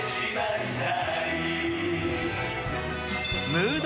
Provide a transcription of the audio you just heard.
ムード